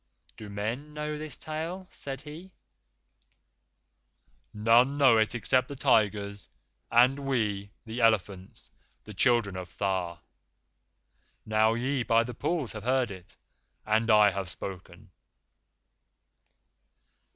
"Do men know this tale?" said he. "None know it except the tigers, and we, the elephants the children of Tha. Now ye by the pools have heard it, and I have spoken."